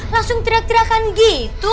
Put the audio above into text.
langsung tirakan tirakan gitu